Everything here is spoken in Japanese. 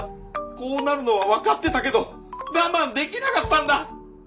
こうなるのは分かってたけど我慢できなかったんだ！